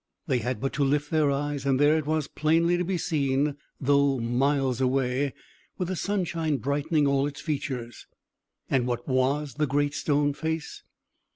They had but to lift their eyes, and there it was plainly to be seen, though miles away, with the sunshine brightening all its features. And what was the Great Stone Face?